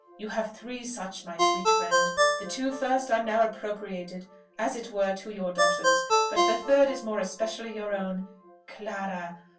You have three such, my sweet friend. The two first are now appropriated, as it were, to your daughters; but the third is more especially your own. Clara!